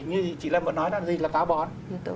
như chị lâm vẫn nói là táo bón